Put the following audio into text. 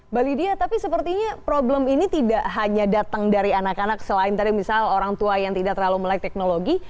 mbak lydia tapi sepertinya problem ini tidak hanya datang dari anak anak selain tadi misalnya orang tua yang tidak terlalu melek teknologi